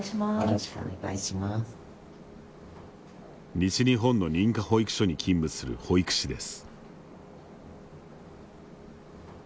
西日本の認可保育所に勤務する保育士です。